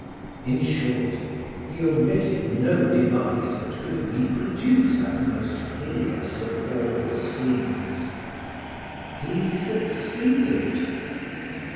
In short, he omitted no device that could reproduce that most hideous of all scenes. He succeeded.